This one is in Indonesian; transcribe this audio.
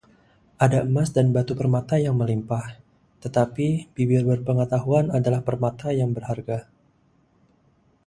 Ada emas dan batu permata yang melimpah, tetapi bibir berpengetahuan adalah permata yang berharga.